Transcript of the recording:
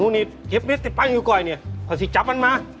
ถ้าไม่ให้หนูนิษฐ์ชจับฟังอยู่ก่อนเนี่ยก็สิจับมันมา